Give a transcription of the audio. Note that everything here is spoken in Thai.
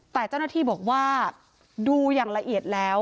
แต่เจ้าหน้าที่บอกว่าดูอย่างละเอียดแล้ว